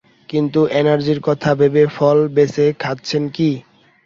কিন্তু অ্যালার্জির কথা ভেবে ফল বেছে খাচ্ছেন কি?